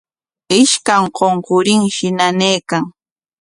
Ishkan qunqurinshi nanaykan.